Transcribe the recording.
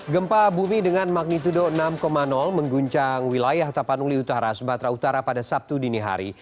gempa bumi dengan magnitudo enam mengguncang wilayah tapanuli utara sumatera utara pada sabtu dini hari